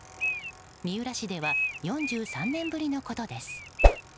三浦市では４３年ぶりのことです。